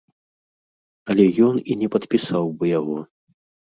Але ён і не падпісаў бы яго.